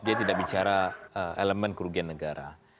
dia tidak bicara elemen kerugian negara